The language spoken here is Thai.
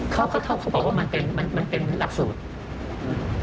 เขาเข้าบอกว่ามันเป็นหลักสูตร